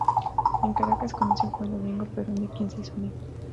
En Caracas, conoció a Juan Domingo Perón, de quien se hizo amigo.